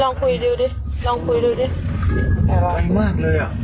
อะไรรัก